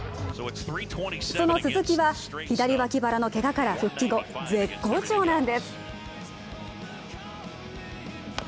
その鈴木は左脇腹のけがから復帰後、絶好調なんです。